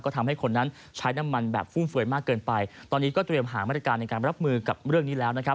ก็ทำให้คนนั้นใช้น้ำมันแบบฟุ่มเฟือยมากเกินไปตอนนี้ก็เตรียมหามาตรการในการรับมือกับเรื่องนี้แล้วนะครับ